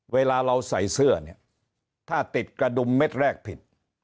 เวลาเราใส่เสื้อเนี่ยถ้าติดกระดุมเม็ดแรกผิด